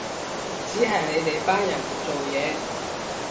只係你哋班人唔做嘢